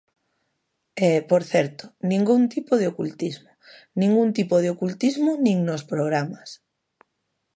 E, por certo, ningún tipo de ocultismo, ningún tipo de ocultismo nin nos programas.